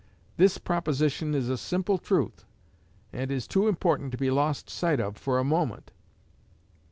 This proposition is a simple truth, and is too important to be lost sight of for a moment.